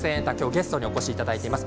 ゲストにお越しいただいています。